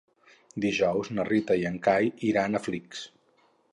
Dijous na Rita i en Cai iran a Flix.